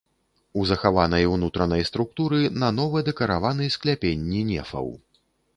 У захаванай унутранай структуры нанова дэкараваны скляпенні нефаў.